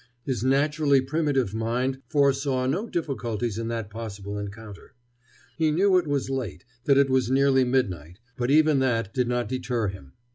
His naturally primitive mind foresaw no difficulties in that possible encounter. He knew it was late, that it was nearly midnight, but even that did not deter him.